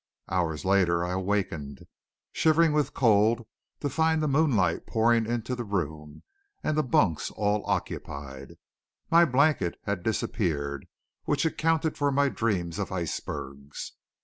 Hours later I awakened, shivering with cold to find the moonlight pouring into the room, and the bunks all occupied. My blanket had disappeared, which accounted for my dreams of icebergs.